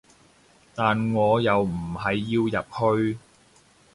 但我又唔係要入去